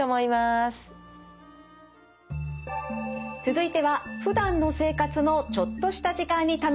続いてはふだんの生活のちょっとした時間に試せるポーズです。